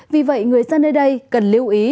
vì vậy người dân nơi đây cần lưu ý